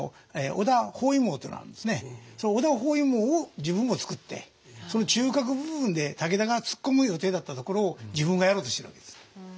その織田包囲網を自分も作ってその中核部分で武田が突っ込む予定だったところを自分がやろうとしてるわけです。